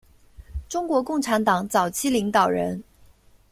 中国共产党早期领导人。